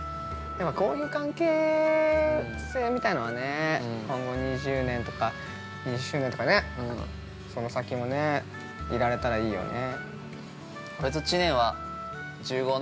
でもこういう関係性みたいなのは、今後２０年とか、２０周年とかね、その先も、いられたらいいよね。